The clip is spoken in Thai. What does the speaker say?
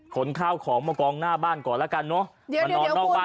ขนข้าวของมากองหน้าบ้านก่อนละกันเนาะ